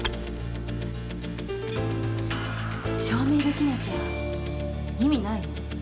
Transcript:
証明できなきゃ意味ないの。